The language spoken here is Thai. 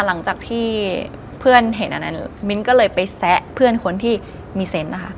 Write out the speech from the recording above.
หลังจากที่เพื่อนเห็นอันนั้นมิ้นก็เลยไปแซะเพื่อนคนที่มีเซนต์นะคะ